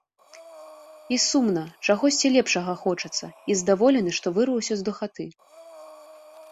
І сумна, чагосьці лепшага хочацца, і здаволены, што вырваўся з духаты.